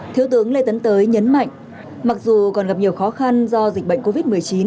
thiếu tướng lê tấn tới nhấn mạnh mặc dù còn gặp nhiều khó khăn do dịch bệnh covid một mươi chín